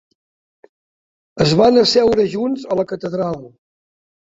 Es van asseure junts a la catedral.